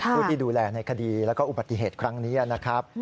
ผู้ที่ดูแลในคดีแล้วก็อุบัติเหตุครั้งนี้นะครับ